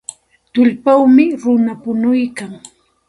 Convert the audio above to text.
Tullpawmi runa punuykan.